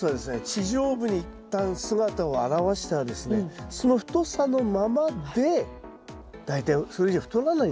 地上部に一旦姿を現したらですねその太さのままで大体それ以上太らないんですよ。